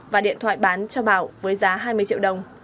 và điện thoại bán cho bảo với giá hai mươi triệu đồng